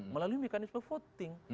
melalui mekanisme voting